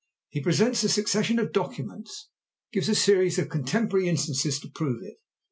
He presents a succession of documents—gives a series of contemporary instances to prove it.